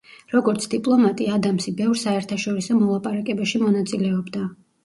როგორც დიპლომატი ადამსი ბევრ საერთაშორისო მოლაპარაკებაში მონაწილეობდა.